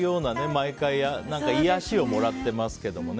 毎回癒やしをもらってますけどね。